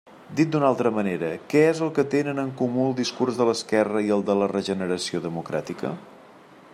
Dit d'una altra manera: ¿què és el que tenen en comú el discurs de l'esquerra i el de la regeneració democràtica?